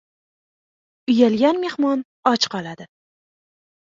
• Uyalgan mehmon och qoladi.